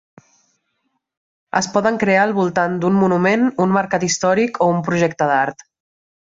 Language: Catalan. Es poden crear al voltant d'un monument, un mercat històric o un projecte d'art.